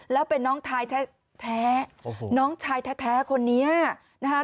แล้วเป็นน้องชายแท้น้องชายแท้คนนี้นะคะ